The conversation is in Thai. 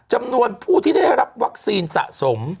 จำนวนผู้ที่ได้รับวัคซีนสะสม